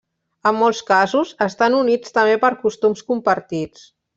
En molts casos, estan units també per costums compartits.